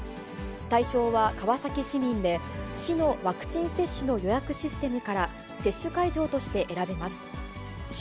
対象は川崎市民で、市のワクチン接種の予約システムから、接種会場として選べます。